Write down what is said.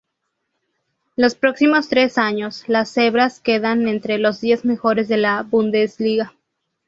Los próximos tres años, las Cebras quedan entre los diez mejores de la Bundesliga.